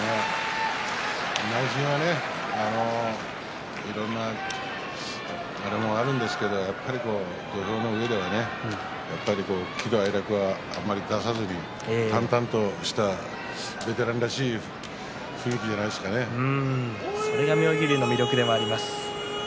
内心はいろんなものがあると思いますがやっぱり土俵の上では喜怒哀楽はあまり出さずに淡々としたベテランらしいそれが妙義龍の魅力でもあります。